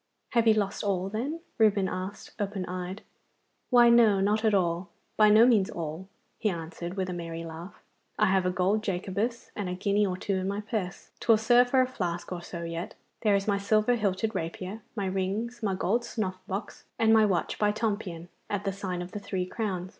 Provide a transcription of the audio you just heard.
'Have you lost all, then?' Reuben asked, open eyed. 'Why no not all by no means all!' he answered, with a merry laugh; 'I have a gold Jacobus and a guinea or two in my purse. 'Twill serve for a flask or so yet. There is my silver hilted rapier, my rings, my gold snuff box, and my watch by Tompion at the sign of the Three Crowns.